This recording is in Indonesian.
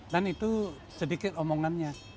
dan itu sedikit omongannya